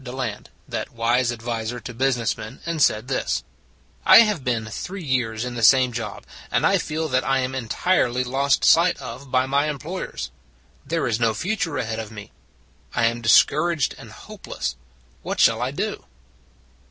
Deland, that wise adviser to busi ness men, and said this: "I have been three years in the same job, and I feel that I am entirely lost sight of by my employers. There is no future ahead of me; I am dis couraged and hopeless. What shall I do?"